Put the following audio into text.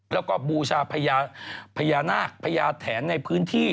แล้วก็บูชาพญานาคพญาแถนในพื้นที่